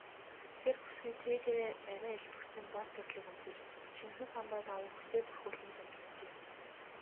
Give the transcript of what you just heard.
Тэр бүсгүй цээжээрээ арай элбэгдсэн бор тэрлэг өмсөж, шинэхэн самбай даавууг үсээ бүрхүүлэн зангиджээ.